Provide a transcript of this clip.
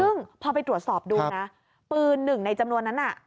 ซึ่งพอไปตรวจสอบดูนะปืนหนึ่งในจำนวนนั้นน่ะ